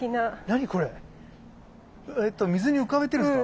えと水に浮かべてるんですか？